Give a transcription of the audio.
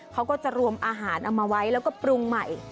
เขาก็จะรวมอาหารเอามาไว้แล้วก็ปรุงใหม่